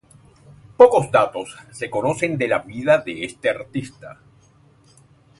Pocos datos se conocen de la vida de este artista.